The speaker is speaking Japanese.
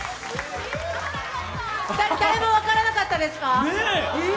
誰も分からなかったですか？